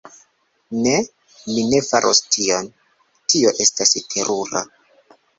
Ne. Mi ne faros tion. Tio estas terura.